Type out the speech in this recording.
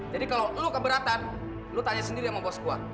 jadi kalau lo keberatan lo tanya sendiri sama boskuah